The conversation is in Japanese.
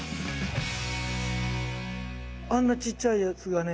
あんなちっちゃいやつがね